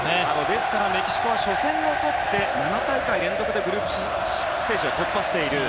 ですからメキシコは初戦を取って７大会連続でグループステージを突破した。